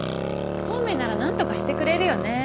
孔明なら何とかしてくれるよね